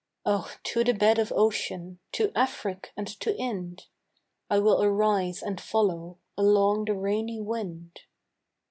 Oh, to the bed of ocean, To Africk and to Ind, I will arise and follow Along the rainy wind.